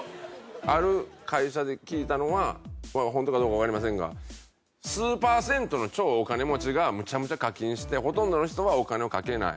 ある会社で聞いたのはホントかどうかわかりませんが数パーセントの超お金持ちがむちゃむちゃ課金してほとんどの人はお金をかけない。